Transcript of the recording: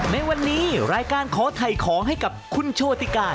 ในวันนี้รายการขอถ่ายของให้กับคุณโชติกา